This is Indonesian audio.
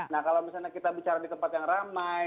nah kalau misalnya kita bicara di tempat yang ramai